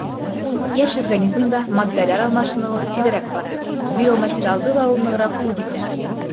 Йәш организмда матдәләр алмашыныуы тиҙерәк бара, биоматериалды ла ул нығыраҡ үҙ итә.